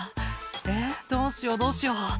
「えぇどうしようどうしよう」